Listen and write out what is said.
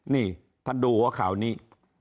นี่ท่านดูหัวข่าวนี้